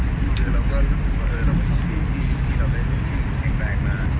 งี่ที่เรารู้ชอบอยู่หรือที่เราเล่นเดินเสียงแบงมา